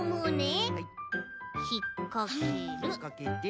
ひっかけて。